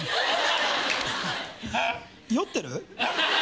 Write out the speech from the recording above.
酔ってる？